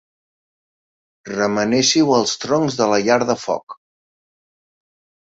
Remenéssiu els troncs de la llar de foc.